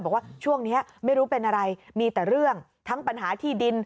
บอกว่าช่วงนี้ไม่รู้เป็นอะไรมีแต่เรื่องทั้งปัญหาที่ดิน